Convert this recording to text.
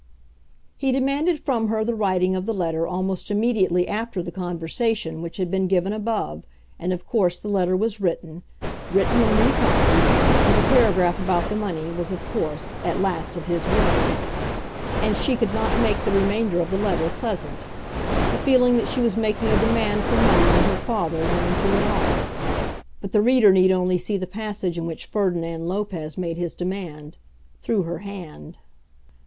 He demanded from her the writing of the letter almost immediately after the conversation which has been given above, and of course the letter was written, written and recopied, for the paragraph about the money was, of course, at last of his wording. And she could not make the remainder of the letter pleasant. The feeling that she was making a demand for money on her father ran through it all. But the reader need only see the passage in which Ferdinand Lopez made his demand, through her hand.